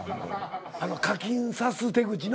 課金さす手口な？